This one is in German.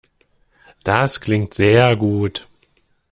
Das klingt sehr gut.